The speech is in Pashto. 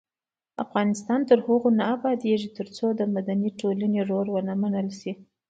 افغانستان تر هغو نه ابادیږي، ترڅو د مدني ټولنې رول ومنل نشي.